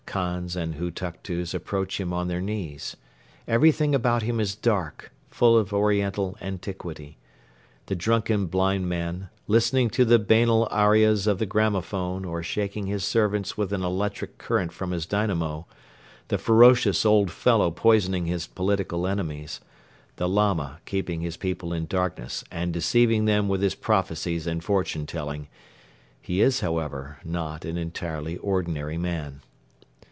Khans and Hutuktus approach him on their knees. Everything about him is dark, full of Oriental antiquity. The drunken blind man, listening to the banal arias of the gramophone or shaking his servants with an electric current from his dynamo, the ferocious old fellow poisoning his political enemies, the Lama keeping his people in darkness and deceiving them with his prophecies and fortune telling, he is, however, not an entirely ordinary man.